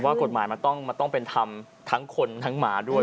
ว่ากฎหมายมันต้องเป็นธรรมทั้งคนทั้งหมาด้วย